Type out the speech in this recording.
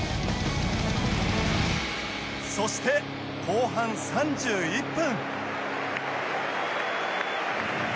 そして後半３１分